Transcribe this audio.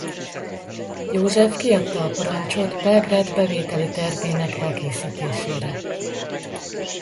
József kiadta a parancsot Belgrád bevételi tervének elkészítésére.